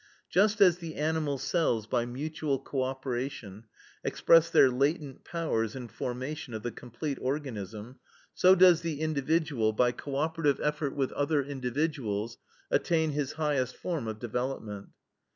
"Just as the animal cells, by mutual co operation, express their latent powers in formation of the complete organism, so does the individual, by co operative effort with other individuals, attain his highest form of development.